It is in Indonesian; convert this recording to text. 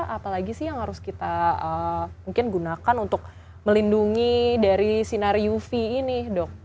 apalagi sih yang harus kita mungkin gunakan untuk melindungi dari sinar uv ini dok